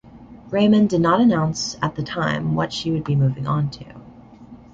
Raymond did not announce at the time what she would be moving on to.